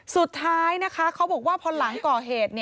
สุดท้ายนะคะเขาบอกว่าพอหลังก่อเหตุ